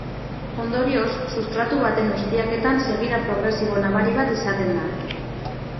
Ondorioz, substratu baten ustiaketan segida progresibo nabari bat izaten da.